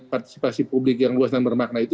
partisipasi publik yang luas dan bermakna itu